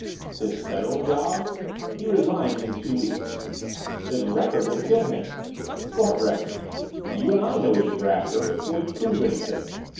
"His Federal job?" "He resigns in two weeks." "His record will kill him." "What record? You and I know he's a grafter. But can we prove anything?